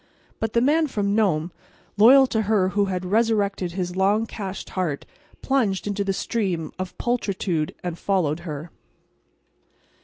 But the Man from Nome, loyal to her who had resurrected his long cached heart, plunged into the stream of pulchritude and followed her.